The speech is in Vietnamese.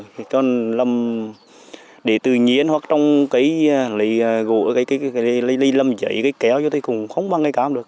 cây con làm để tư nhiên hoặc trong cây lấy gỗ cây cây lấy lấy lầm giấy cây kéo cây cung không bằng cây cám được